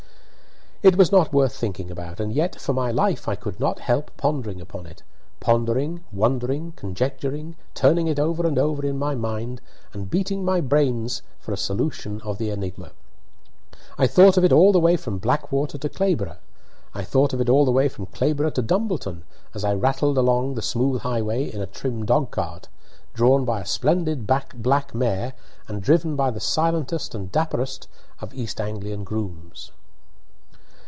It was not worth thinking about, and yet, for my life, I could not help pondering upon it pondering, wondering, conjecturing, turning it over and over in my mind, and beating my brains for a solution of the enigma. I thought of it all the way from Blackwater to Clayborough. I thought of it all the way from Clayborough to Dumbleton, as I rattled along the smooth highway in a trim dog cart, drawn by a splendid black mare and driven by the silentest and dapperest of East Anglian grooms.